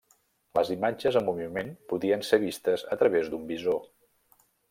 Les imatges en moviment podien ser vistes a través d'un visor.